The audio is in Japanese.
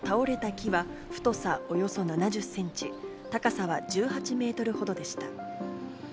木は太さおよそ７０センチ、高さは１８メートルほどでした。